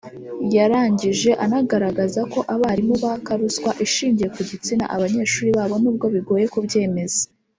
yarangije anagaragaza ko abarimu baka ruswa ishingiye ku gitsina abanyeshuri babo n’ubwo bigoye kubyemeza